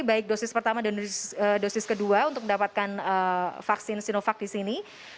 baik dosis pertama dan dosis kedua untuk mendapatkan vaksin sinovac di sini